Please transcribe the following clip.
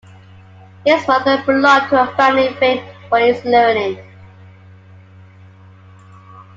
His mother belonged to a family famed for its learning.